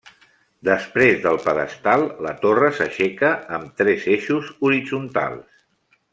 Després del pedestal, la torre s'aixeca amb tres eixos horitzontals.